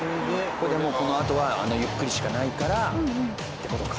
これでもうこのあとはあのゆっくりしかないからって事か。